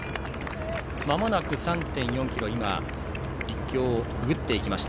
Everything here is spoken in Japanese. まもなく３．４ｋｍ陸橋をくぐっていきました。